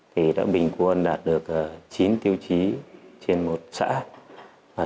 thì đã bình quân đạt được chín tiêu chí trên một xã